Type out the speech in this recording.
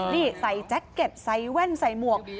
นี่ใส่แจ็คเก็ตใส่แว่นใส่หมวก